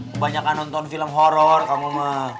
kebanyakan nonton film horror kamu